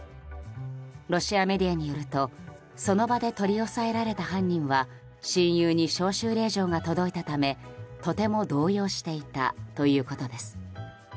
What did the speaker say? ロシアメディアによるとその場で取り押さえられた犯人は親友に招集令状が届いたためとても動揺していたということです。